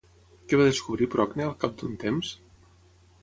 Què va descobrir Procne al cap d'un temps?